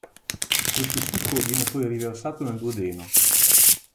Questo succo viene poi riversato nel duodeno.